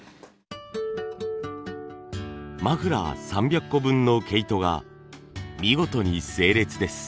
マフラー３００個分の毛糸が見事に整列です。